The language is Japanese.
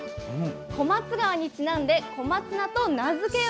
「小松川にちなんで小松菜と名付けよ」。